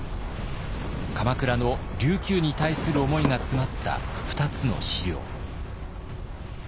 鎌倉の琉球に対する思いが詰まった２つの資料。